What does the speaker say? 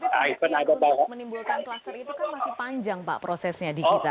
tapi pembuktian untuk menimbulkan kluster itu kan masih panjang pak prosesnya di kita